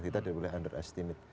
kita tidak boleh underestimate